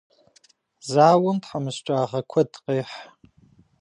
Зауэм тхьэмыщкӏагъэ куэд къехь.